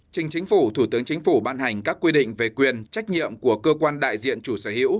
trình chính phủ thủ tướng chính phủ ban hành các quy định về quyền trách nhiệm của cơ quan đại diện chủ sở hữu